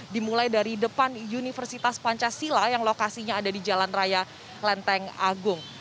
dimulai dari depan universitas pancasila yang lokasinya ada di jalan raya lenteng agung